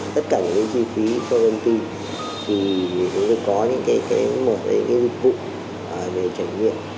tất cả những cái chi phí cho đơn kỳ thì chúng tôi có những cái một cái dịch vụ để trải nghiệm